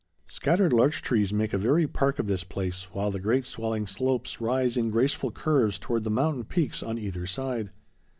Scattered larch trees make a very park of this place, while the great swelling slopes rise in graceful curves toward the mountain peaks on either side.